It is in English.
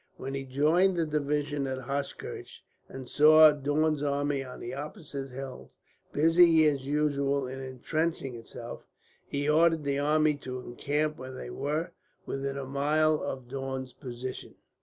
When he joined the division at Hochkirch, and saw Daun's army on the opposite hills, busy as usual in intrenching itself, he ordered the army to encamp when they were within a mile of Daun's position.